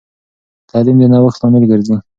تعلیم د نوښت لامل ګرځي.